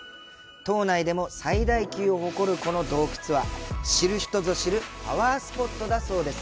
島内でも最大級を誇るこの洞窟は知る人ぞ知るパワースポットだそうです。